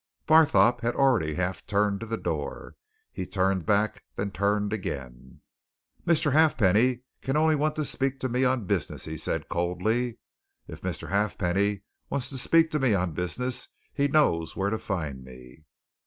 Barthorpe had already half turned to the door. He turned back then turned again. "Mr. Halfpenny can only want to speak to me on business," he said, coldly. "If Mr. Halfpenny wants to speak to me on business, he knows where to find me."